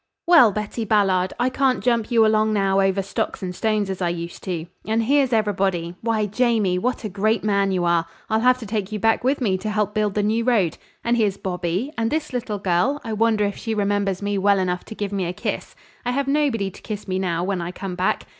"Well, Betty Ballard! I can't jump you along now over stocks and stones as I used to. And here's everybody! Why, Jamie, what a great man you are! I'll have to take you back with me to help build the new road. And here's Bobby; and this little girl I wonder if she remembers me well enough to give me a kiss? I have nobody to kiss me now, when I come back.